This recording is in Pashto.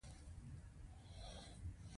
رومیان د وینې فشار راکموي